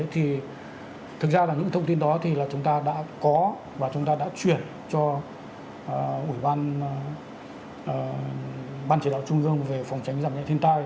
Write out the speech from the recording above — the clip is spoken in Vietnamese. thì thực ra là những thông tin đó thì là chúng ta đã có và chúng ta đã chuyển cho ủy ban chỉ đạo trung ương về phòng tránh giảm nhẹ thiên tai